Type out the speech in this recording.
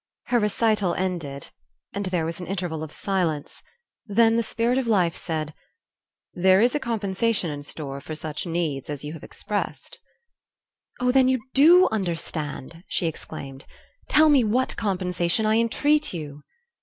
Her recital ended, there was an interval of silence; then the Spirit of Life said: "There is a compensation in store for such needs as you have expressed." "Oh, then you DO understand?" she exclaimed. "Tell me what compensation, I entreat you!"